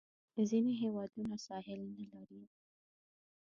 ځینې هیوادونه ساحل نه لري.